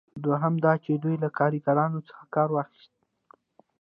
دوهم دا چې دوی له کاریګرانو څخه کار واخیست.